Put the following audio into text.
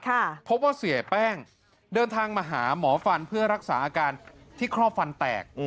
เพราะว่าเสียแป้งเดินทางมาหาหมอฟันเพื่อรักษาอาการที่ครอบฟันแตก